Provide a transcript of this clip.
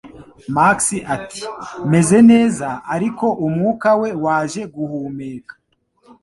Max ati: "Meze neza," ariko umwuka we waje guhumeka